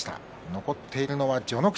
残っているのは序ノ口。